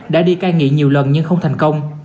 đã đi cai nghiện nhiều lần nhưng không thành công